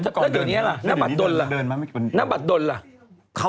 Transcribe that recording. ตอนนี้เตอะ